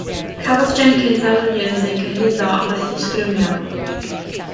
Cafodd Jenkins a Williams eu cyhuddo o fethu sgrymio.